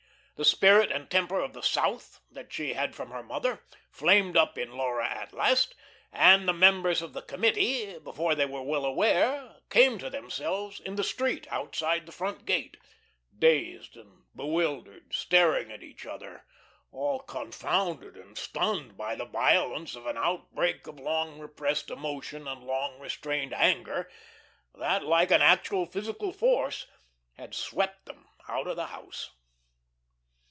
The spirit and temper of the South, that she had from her mother, flamed up in Laura at last, and the members of the "committee," before they were well aware, came to themselves in the street outside the front gate, dazed and bewildered, staring at each other, all confounded and stunned by the violence of an outbreak of long repressed emotion and long restrained anger, that like an actual physical force had swept them out of the house.